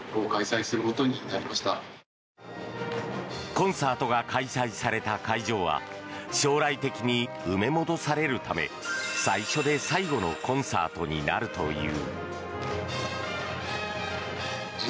コンサートが開催された会場は将来的に埋め戻されるため最初で最後のコンサートになるという。